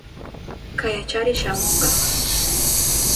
Kayachari shamunka.